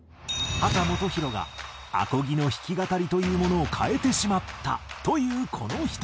秦基博が「アコギの弾き語りというものを変えてしまった」と言うこの人。